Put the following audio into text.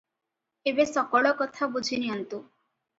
ଏବେ ସକଳ କଥା ବୁଝିନିଅନ୍ତୁ ।